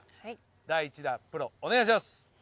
第１打プロお願いします。